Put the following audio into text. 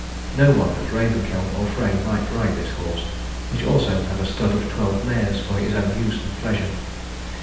No one but Ravenkeld or Frey might ride this horse, which also had a stud of twelve mares for his own use and pleasure.